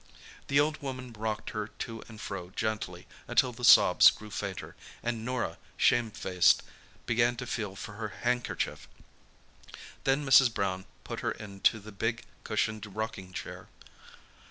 The old woman rocked her to and fro gently until the sobs grew fainter, and Norah, shame faced, began to feel for her handkerchief. Then Mrs. Brown put her into the big cushioned rocking chair.